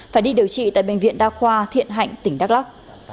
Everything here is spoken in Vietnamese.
phải đi điều trị tại bệnh viện đa khoa thiện hạnh tỉnh đắk lắc